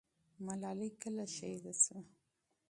ملالۍ کله شهیده سوه؟